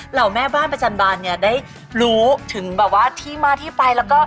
เหล่าแม่บ้านประจำบานเนี่ยได้รู้ถึงแบบว่าที่มาที่ไปแล้วก็